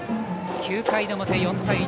９回の表、４対１。